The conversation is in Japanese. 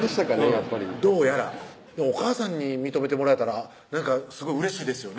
やっぱりお母さんに認めてもらえたらすごいうれしいですよね